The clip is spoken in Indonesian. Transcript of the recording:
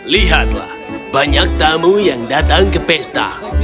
lihatlah banyak tamu yang datang ke pesta